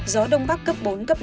gió đông bắc cấp bốn năm